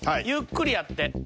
ゆっくりやって。